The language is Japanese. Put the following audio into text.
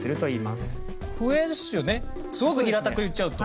すごく平たく言っちゃうと。